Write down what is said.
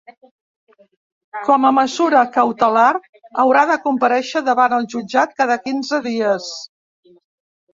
Com a mesura cautelar, haurà de comparèixer davant el jutjat cada quinze dies.